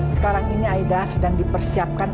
sekarang ini aida sedang dipersiapkan